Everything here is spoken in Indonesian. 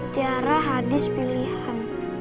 tiara hadis pilihan